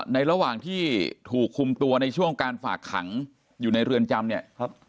ระหว่างที่ถูกคุมตัวในช่วงการฝากขังอยู่ในเรือนจำเนี่ย